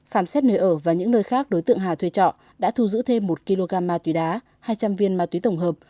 khám xét nơi ở và những nơi khác đối tượng hà thuê trọ đã thu giữ thêm một kg ma túy đá hai trăm linh viên ma túy tổng hợp